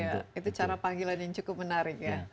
itu cara panggilan yang cukup menarik ya